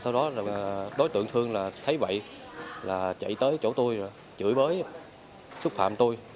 sau đó đối tượng thương thấy vậy chạy tới chỗ tôi chửi bới xúc phạm tôi